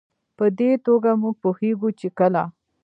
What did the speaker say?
په دې توګه موږ پوهېږو چې کله